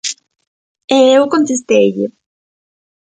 E eu contesteille...